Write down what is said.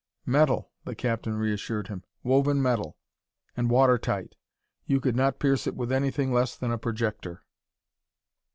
"Metal!" the captain reassured him; "woven metal, and water tight! You could not pierce it with anything less than a projector."